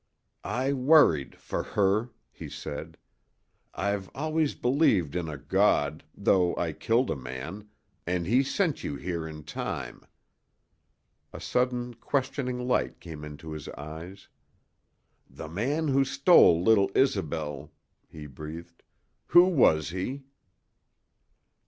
"I worried for her," he said. "I've always believed in a God though I killed a man an' He sent you here in time!" A sudden questioning light came into his eyes. "The man who stole little Isobel," he breathed "who was he?"